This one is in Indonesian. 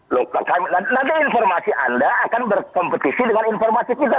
loh nanti informasi anda akan berkompetisi dengan informasi kita